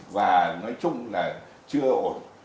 và nói chung là chưa ổn